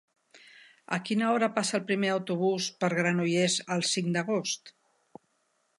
A quina hora passa el primer autobús per Granollers el cinc d'agost?